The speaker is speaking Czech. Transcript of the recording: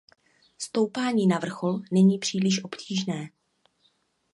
Stoupání na vrchol není příliš obtížné.